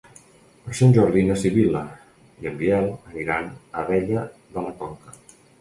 Per Sant Jordi na Sibil·la i en Biel aniran a Abella de la Conca.